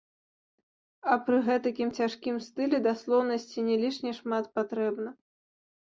А пры гэтакім цяжкім стылі даслоўнасці не лішне шмат патрэбна.